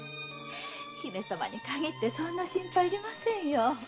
姫様に限ってそんな心配いりませんよ。